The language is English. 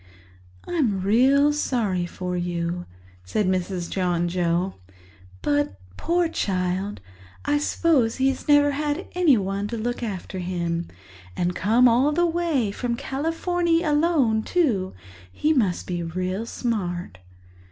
"I'm really sorry for you," said Mrs. John Joe. "But, poor child, I suppose he's never had anyone to look after him. And come all the way from Californy alone, too—he must be real smart."